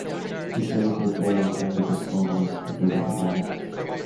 He played the bowl over the covers to get a four.